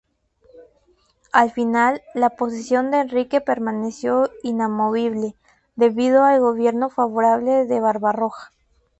Al final, la posición de Enrique permaneció inamovible, debido al gobierno favorable de Barbarroja.